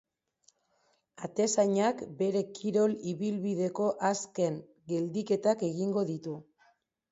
Atezainak bere kirol ibilbideko azken geldiketak egingo ditu.